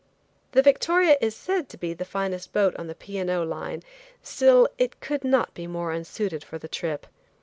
The Victoria is said to be the finest boat on the P. and O. Line, still it could not be more unsuited for the trip.